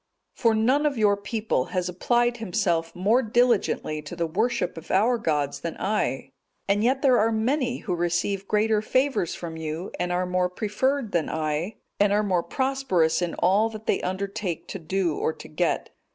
For none of your people has applied himself more diligently to the worship of our gods than I; and yet there are many who receive greater favours from you, and are more preferred than I, and are more prosperous in all that they undertake to do or to get.